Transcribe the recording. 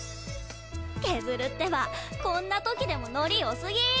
ケズルってばこんな時でもノリよすぎ！